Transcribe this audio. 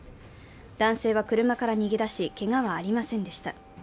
男性は車から逃げ出し、けがはありませんでした。